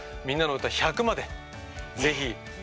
「みんなのうた１００」まで是非。